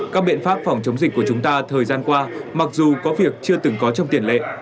các biện pháp phòng chống dịch của chúng ta thời gian qua mặc dù có việc chưa từng có trong tiền lệ